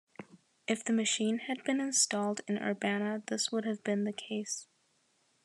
If the machine had been installed in Urbana this would have been the case.